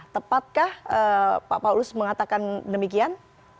tepatkah pak paulus mengatakan demikian